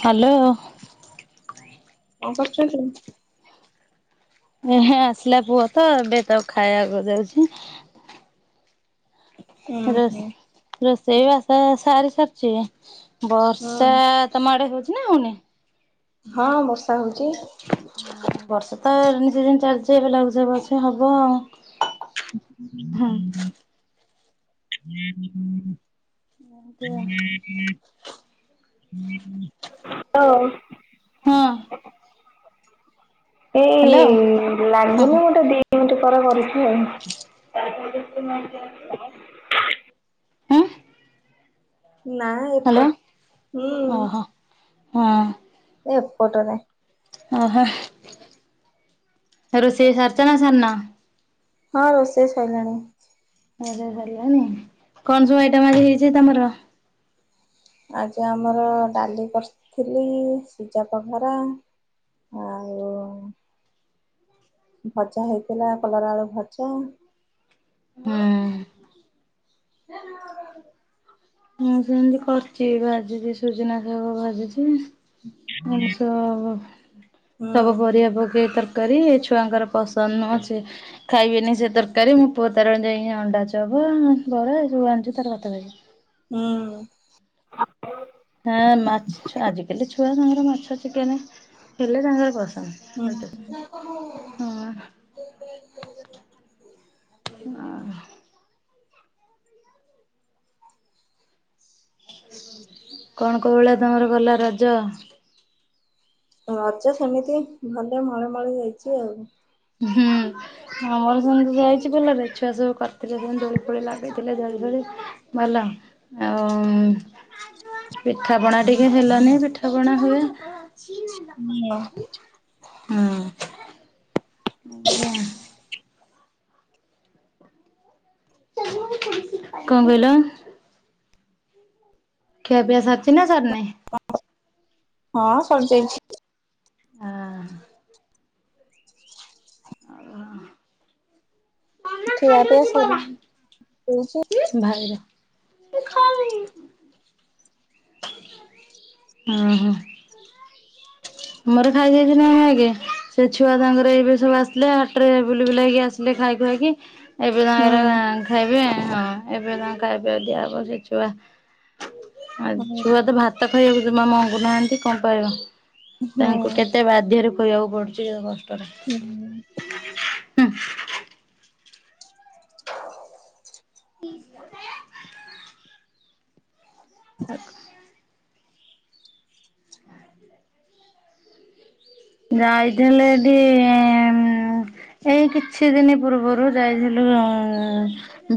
Hello. କଣ କରୁଚନ୍ତି? ଏହେ ଆସିଲା ପୁଅ ତ, ଏବେ ତାକୁ ଖାଇବାକୁ ଦଉଛି। ଉଁ ହୁଁ ରୋଷ ରୋଷେଇ ବାସ ସାରି ସାରିଛି। ବର୍ଷା ହୁଁ ତମ ଆଡେ ହଉଛି ନା, ହଉନି? ହଁ, ବର୍ଷା ହଉଛି। ବର୍ଷା ତ, ରେନି ସିଜିନ ଚାଲିଛି। ଏବେ ଲଘୁଚାପ ଅଛି, ହବ ଆଉ। ହଁ। [unintelligible] ଯା [unintelligible] ହଁ। ଏଇ ହ୍ୟାଲୋ ହଁ ଇଲାଗୁନି, ଗୋଟେ ଦିି ମିନଟି ପରେ କରୁଛି ଆଉ। [unintelligible] ହଁ ନା ହ୍ୟାଲୋ ଏପଟ ହୁଁ ଓହୋ, ହଁ। ଏପଟରେ ଓହୋ, ରୋଷେଇ ସାରିଚ ନା, ସାରିନ? ହଁ, ରୋଷେଇ ସଇଲାଣି। ରୋଷେଇ ସରିଲାଣି? କଣ ସବୁ ଆଇଟମ ଆଜି ହେଇଛି ତମର? ଆଜି ଆମର ଡାଲି କରିଥିଲି, ସିଝାପଘରା। ଆଉ ଉ ଭଜା ହେଇଥିଲା, କଲରା ଆଳୁ ଭଜା। ହୁଁ [unintelligible] ମୁଁ ସେମତି କରିଚି, ଭାଜିଛି ସୁଜୁନା ଶାଗ, ଭାଜିଛି। ମଣିଷ ଅ ଅ, ହୁଁ ସବୁ ପରିବା ପକେଇ ତର କରି ଛୁଆଙ୍କର ପସନ୍ଦ ନୁହଁ ସେ ଖାଇବେନି ସେ ତରକାରୀ। ମୁଁ ପୁଅ ତାର ଯାଇକି ଅଣ୍ଡାଚବ, ବରା ସବୁ ଆଣିଛୁ। ତାର ଭାତ ଖାଇବ। ହୁଁ। ହଁ, ମାଛ ଆଜିକାଲି ଛୁଆ ତାଙ୍କର ମାଛ ଚିକେନ ହେଲେ, ତାଙ୍କର ହୁଁ। ପସନ୍ଦ। ହଁ [inaudible] କଣ? କଉ ଭଳିଆ ତୁମର ଗଲା ରଜ? ରଜ ସେମିତି, ଭଲ ମଳେ ମଳେ ଯାଇଛି ଆଉ। ହୁଁ। ଆମର ସେମିତି ଯାଇଛି ଭଲରେ ଛୁଆ ସବୁ କରିଥିଲେ, ଦୋଳି ଫୋଳି ଲାଗିଥିଲେ ଝରି ଫରି ଭଲ, ଆଉ ପିଠାପଣା ଟିକେ ହେଲାନି, ପିଠାପଣା ହୁଏ। [inaudible] ହୁଁ। ଚାଲୁନ, ଖୁଡି ସି ଖାଇବା। କଣ କହିଲ? ଖିଆପିଆ ସାରଚି ନା, ସରିନି? [inaudible] ହଁ, ସରିଯାଇଛି। ଭାଇର ହଁ ଆ [inaudible] ଖିଆ ପିଆ ସରିନି। ଦଉଛି ଭାଇର ଓ ହୋ। ଆମର ଖାଇଦେଇଥିଲୁ ନାଁ ଆଗେ ସେ ଛୁଆ ତାଙ୍କର ଏବେ ସବୁ ଆସିଲେ ହାଟରେ ବୁଲି ବୁଲାକି ଆସିଲେ ଖାଇ ଖୁଆଇକି ଏବେ ହୁଁ ତାଙ୍କର ଖାଇବେ ହଁ ଏବେ ତାଙ୍କ ଖାଇବା ପିଇବା ଦିଆ ହବ ସେ ଛୁଆ ଆଉ ହୁଁ ଛୁଆ ତ ଭାତ ଖାଇବାକୁ ଜମା ମଙ୍ଗୁ ନାହାନ୍ତି କଣ କହିବ। ହୁଁ ତାଙ୍କୁ କେତେ ବାଧ୍ୟରେ ଖୋଇବାକୁ ପଡୁଛି କଷ୍ଟରେ। ହୁଁ [inaudible] ହ [inaudible] ଆ [inaudible] ଯାଇଥିଲେ ଦି ଏଇ କିଛି ଦିନ ପୂର୍ବରୁ ଯାଇଥିଲୁ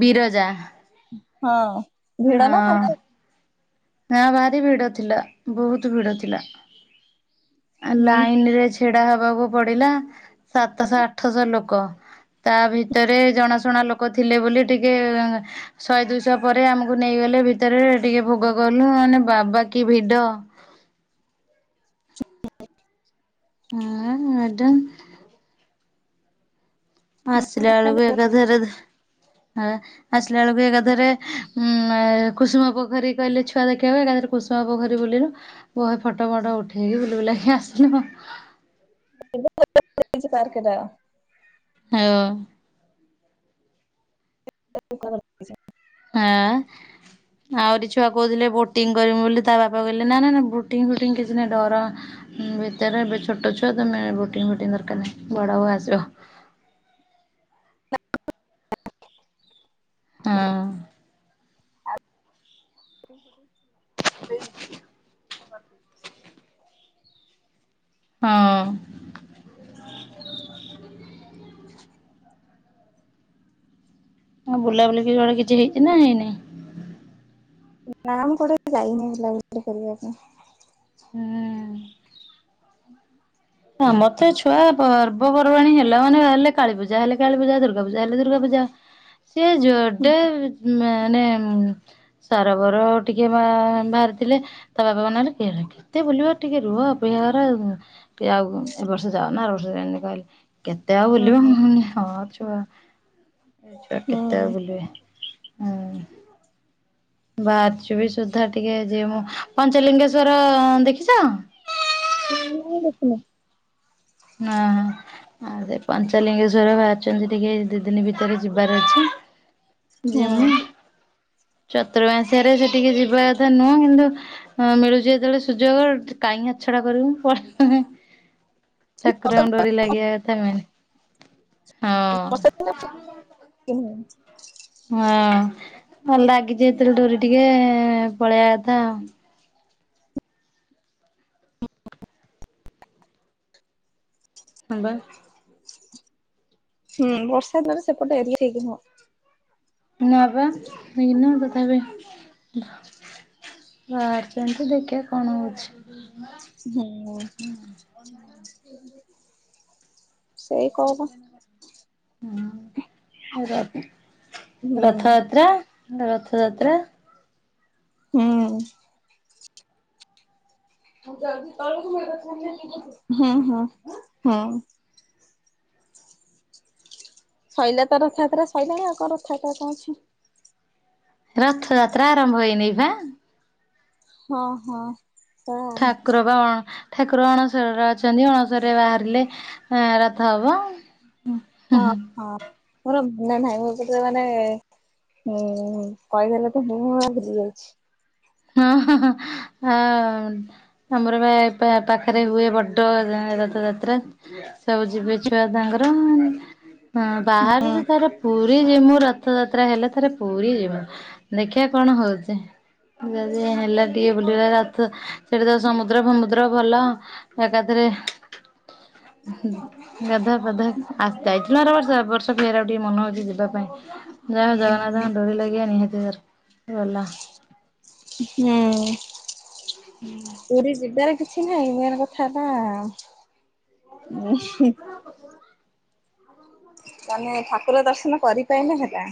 ବିରଜା ହଁ ଭିଡ଼ ନା ହଁ ଫାଙ୍କା ନା ଭାରି ଭିଡ ଥିଲା ବହୁତ ଭିଡ ଥିଲା ଲାଇନ ରେ ହୁଁ ଲାଇନ ଛିଡା ହବାକୁ ପଡିଲା ସାତଶହ ଆଠଶହ ଲୋକ ତା ଭିତରେ ଜଣାଶୁଣା ଲୋକ ଥିଲେ ବୋଲି ଟିକେ ଶହେ ଦୁଇଶହ ପରେ ଆମକୁ ନେଇଗଲେ ଭିତରେ ଟିକେ ଭୋଗ କଲୁ ମାନେ ବାବା କି ଭିଡ ଅଏଁ ମ୍ୟାଡମ୍ ଆସିଲା ବେଳକୁ ଏକା ଥରେ ଧ ହେଲା। ଆସିଲା ବେଳକୁ ଏକାଥରେ ଉଁ କୁସୁମ ପୋଖରୀ କହିଲେ ଛୁଆ ଦେଖିବେ ଏକାଥରେ କୁସୁମା ପୋଖରୀ ବୁଲିଲୁ। ବହେ ଫଟୋ ଫଟ ଉଠେଇକି ବୁଲି ବୁଲାକି ଆସିଲୁ ଆଉ। [unintelligible] ଖାଇବ? [unintelligible] ୟାଁ। ଆଉରି ଛୁଆ କହୁଥିଲେ ବୋଟିଂ କରିମୁ ବୋଲି ତା ବାପା କହିଲେ ନା ନା ନା ବୋଟିଂ ଫୋଟିଂ କିଛି ନାହିଁ ଡର ଭିତରେ ଏବେ ଛୋଟ ଛୁଆ ତମେ ବୋଟିଂ ଫୋଟିଂ ଦରକାର ନାହିଁ ବଡ଼ ହୁଅ ଆସିବ। ହଁ। ଆ [unintelligible] [unintelligible] ହଁ। [unintelligible] ହ [unintelligible] କଁ ବୁଲାବୁଲି କୁଆଡେ କିଛି ହେଇଚି ନା ହେଇନି? ନାଁ ମୁଁ କୁଆଡେ ଏତେ ଯାଇନି ବୁଲା ବୁଲି କୁଆଡେ କରିବା ପାଇଁ। ହୁଁ। ହଁ ମତେ ଛୁଆ ପର୍ବପର୍ବାଣୀ ହେଲା ମାନେ ହେଲେ କାଳି ପୂଜା ହେଲେ କାଳୀପୂଜା ଦୁର୍ଗା ପୂଜା ହେଲେ ଦୁର୍ଗାପୂଜା। ସେ ଯୋଡେ ମାନେ ସରବର ଟିକେ ବାହାରିଥିଲେ। ତା ବାପା ମନା କଲେ କେତେ ବୁଲିବ ଟିକେ ରୁହ ଅପେକ୍ଷା କର ଆଉ। ଟିକେ ଆଉ ଏ ବର୍ଷ ଯାଉ ନା ଆର ବର୍ଷ ଯାଇଁକି କହିଲେ କେତେ ଆଉ ବୁଲିବ ହୁଁ ହୁଁ ହଁ ଛୁଆ। ଏ ଛୁଆ କେତେ ଆଉ ବୁଲିବେ। ବାହାରିଚୁ ବି ସୁଦ୍ଧା ଟିକେ ଯିବୁ। ପଞ୍ଚଲିଙ୍ଗେଶ୍ଵର ଦେଖିଚ? ମୁଁ ଦେଖିନି। ନା। ଆଉ ସେ ପଞ୍ଚଲିଙ୍ଗେଶ୍ଵର ଭାଆରିଚନ୍ତି ଟିକେ ଦି ଦିନ ଭିତରେ ଯିବାର ଅଛି। ହୁଁ ଯିମି ଚତୁର୍ମାସ୍ୟାରେ ସେଠିକି ଯିବା କଥା ନୁହଁ କିନ୍ତୁ ହଁ ମିଳୁଚି ଯେତେବେଳେ ସୁଯୋଗ କାହିଁକି ହାତଛଡା କରିବୁ ପଲେଇବୁ। ହୁଁ ଠାକୁରଙ୍କ ଡୋରି ଲାଗିବା କଥା ମେନ୍। ହଁ [unintelligible] ହଁ ହଁ ଲାଗିଚି ଯେତେବେଳେ ଡୋରି ଟିକେ ପଳେଇବା କଥା ଆଉ। ହଁ ବା। ହୁଁ ବର୍ଷା ଦ୍ୱାରା ସେପଟେ ଏରିଆ ଠିକି ନୁହଁ। ନା ବା ଠିକ୍ ନୁହଁ ତଥାବି ବାହାରିଚନ୍ତି ଦେଖିବା କଣ ହଉଚି। ହୁଁ ଉ। ବ [inaudible] ହୁଁ ରଥ୍ ରଥଯାତ୍ରା। ରଥଯାତ୍ରା। ହୁଁ। ହୁଁ ହୁଁ ହୁଁ। ଶଇଲା ତ ରଥଯାତ୍ରା ଶଇଲାଣି ଆଉ କଣ ରଥଯାତ୍ରା କଣ ଅଛି? ରଥଯାତ୍ରା ଆରମ୍ଭ ହେଇନି ଏଇଖା? ହଁ ହଁ। ତ ଠାକୁର ବା ଅଣ୍ ଠାକୁର ଅଣସରରେ ଅଛନ୍ତି। ଅଣସରରେ ବାହାରିଲେ ଆଁ ରଥ ହବ। ହୁଁ ହଁ ହୁଁ ହଁ ମୋର ମନେ ନାହିଁ ବୋଧେ ସେତେ ମାନେ ହୁଁ କହିବା ଲୋକ ମୁଁ ହିଁ ଭୁଲି ଯାଇଛି। ହଁ ହଁ ହ୍ନ ଆନ୍। ଆମର ବା ଏ ଏପା ପାଖରେ ହୁଏ ବଡ଼ ରଥଯାତ୍ରା। ସବୁ ଯିବେ ଛୁଆ ତାଙ୍କର ଆଁ ବାହାରେଯେ ତାର। ପୁରୀ ଯିମୁ ରଥଯାତ୍ରା ହେଲେ ଥରେ ପୁରୀ ଯିମୁ, ଦେଖିଆ କଣ ହଉଚି? ଯଦି ହେଲା ଟିକେ ବୁଲିବା ରଥ ସେଠି ତ ସମୁଦ୍ର ଫମୁଦ୍ର ଭଲ। ଏକାଥରେ [unintelligible] ହୁଁ ନଧା ପଧା ଆସ। [unintelligible] ଯିବା ଆର ବର୍ଷ ବର୍ଷା, ପ୍ରିୟାର ଆଉ ଟିକେ ମନେ ହଉଛି ଯିବା ପାଇଁ ଯାହା ହଉ ହୁଁ ଜଗନ୍ନାଥଙ୍କର ଡୋରି ଲାଗିଆ ନିହାତି ଦରକାର। ଗଲା। ହୁଁ ପୁୁରିଯିବାରେ କିଛିି ନାହିଁ, ମେନ୍ କଥା ହେଲା ଉଁ ହୁଁ। ତାନେ ଠାକୁର ଦର୍ଶନ କରିପାଇଲେ ହେଲା।